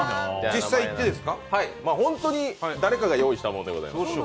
本当に誰かが用意したものでございます。